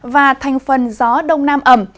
và thanh phân gió đông nam ẩm